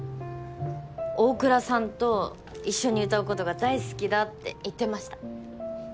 大倉さんと一緒に歌うことが大好きだって言ってました。